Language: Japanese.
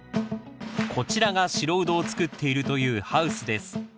こちらが白ウドを作っているというハウスです。